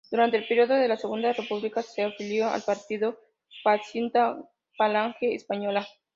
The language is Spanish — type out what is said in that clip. Durante el periodo de la Segunda República se afilió al partido fascista Falange Española.